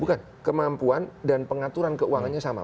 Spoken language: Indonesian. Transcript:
bukan kemampuan dan pengaturan keuangannya sama